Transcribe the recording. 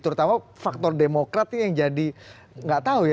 terutama faktor demokrat yang jadi